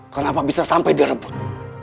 kenapa bisa sampai direbut